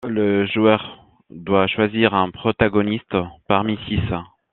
Le joueur doit choisir un protagoniste parmi six.